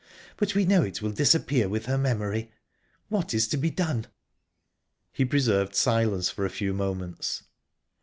But we know it will disappear with her memory. What is to be done?" He preserved silence for a few moments.